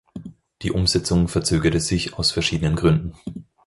Die Umsetzung verzögerte sich aus verschiedenen Gründen.